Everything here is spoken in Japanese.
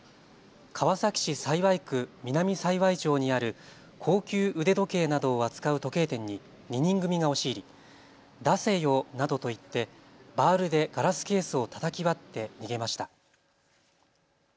川崎市幸区南幸町にある高級腕時計などを扱う時計店に２人組が押し入り出せよなどと言ってバールでガラスケースをたたき割って逃げました。